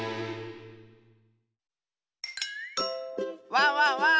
ワンワンワン！